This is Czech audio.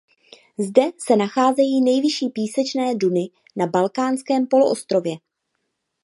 Zde se nacházejí nejvyšší písečné duny na Balkánském poloostrově.